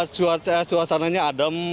karena suasananya adem